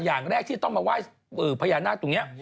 อย่างแรกที่ต้องมาไหว้พญานาคตรงนี้